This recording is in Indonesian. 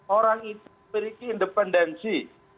orang itu memiliki independensi